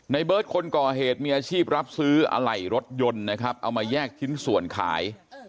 เบิร์ตคนก่อเหตุมีอาชีพรับซื้ออะไหล่รถยนต์นะครับเอามาแยกชิ้นส่วนขาย